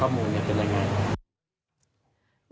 ว่าข้อมูลเป็นอย่างไร